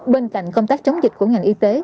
bên cạnh công tác chống dịch của ngành y tế